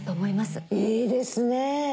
いいですね！